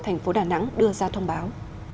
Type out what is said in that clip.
thành phố đà nẵng đưa ra thông báo